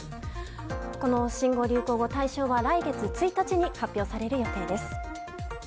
この新語・流行語大賞は来月１日に発表される予定です。